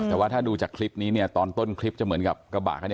แต่ว่าถ้าดูจากคลิปนี้เนี่ยตอนต้นคลิปจะเหมือนกับกระบะคันนี้